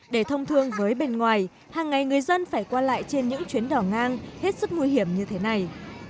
để thông thương với bên ngoài hàng ngày người dân phải qua lại trên những chuyến đỏ ngang hết sức nguy hiểm như thế này